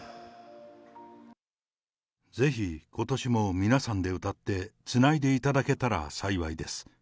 ぜひ、ことしも皆さんで歌って、つないでいただけたら幸いです。